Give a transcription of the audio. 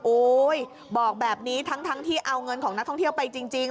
บอกแบบนี้ทั้งที่เอาเงินของนักท่องเที่ยวไปจริง